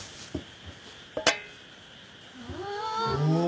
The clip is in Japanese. うわ！